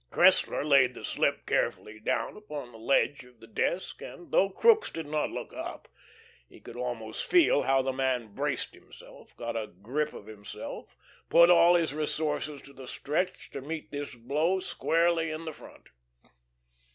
Cressler laid the slip carefully down upon the ledge of the desk, and though Crookes did not look up, he could almost feel how the man braced himself, got a grip of himself, put all his resources to the stretch to meet this blow squarely in the front.